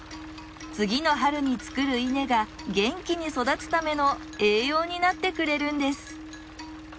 次の春に作る稲が元気に育つための栄養になってくれるんです。